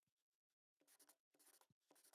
کالтура باید معرفي شي